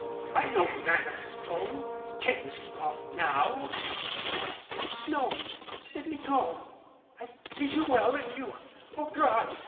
I'm no man of stone. Can you scoff now?" "No, no. Let me go. I've paid you well and you O God